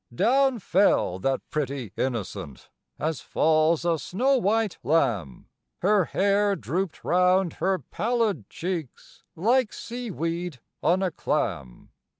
Down fell that pretty innocent, as falls a snow white lamb, Her hair drooped round her pallid cheeks, like sea weed on a clam.